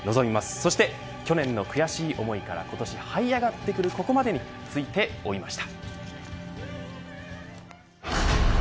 そして、去年の悔しい思いから今年はい上がってくるここまでについて追いました。